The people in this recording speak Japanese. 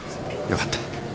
よかった。